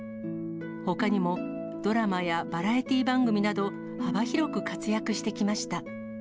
ほかにもドラマやバラエティー番組など、幅広く活躍してきました。